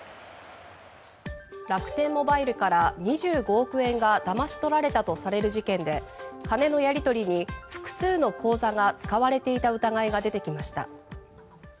楽天モバイルから２５億円がだまし取られたとされる事件で金のやり取りに複数の口座が使われていた疑いが出てきました。